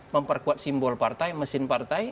memperkuat simbol partai mesin partai